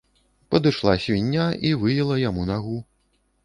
Падышла свіння і выела яму нагу.